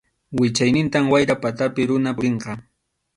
Wichaynintam wayra patapi runa purinqa.